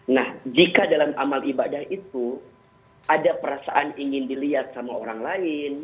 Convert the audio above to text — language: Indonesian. nah jika dalam amal ibadah itu ada perasaan ingin dilihat sama orang lain